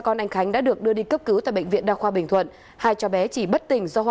con anh khánh đã được đưa đi cấp cứu tại bệnh viện đa khoa bình thuận hai cháu bé chỉ bất tỉnh do